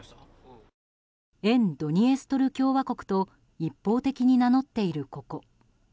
沿ドニエストル共和国と一方的に名乗っている、ここ。